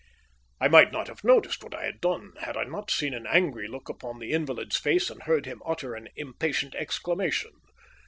I might not have noticed what I had done had I not seen an angry look upon the invalid's face and heard him utter an impatient exclamation.